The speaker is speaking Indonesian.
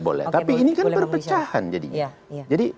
oke boleh tapi ini kan perpecahan jadi